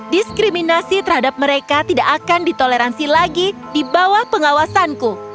diskriminasi terhadap mereka tidak akan ditoleransi lagi di bawah pengawasanku